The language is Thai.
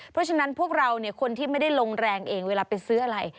เพราะฉะนั้นพวกเราเนี่ยคนที่ไม่ได้ลงแรงเองเวลาไปซื้ออะไร